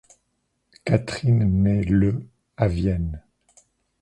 Kathrin naît le à Vienne.